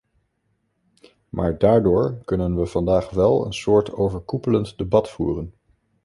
Maar daardoor kunnen we vandaag wel een soort overkoepelend debat voeren.